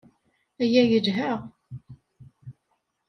Aya yelha?